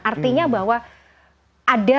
artinya bahwa ada